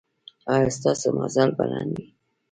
ایا ستاسو مزل به لنډ وي؟